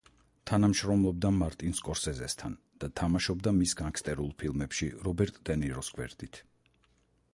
თანამშრომლობდა მარტინ სკორსეზესთან და თამაშობდა მის განგსტერულ ფილმებში რობერტ დე ნიროს გვერდით.